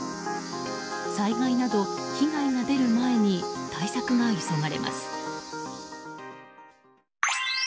災害など被害が出る前に対策が急がれます。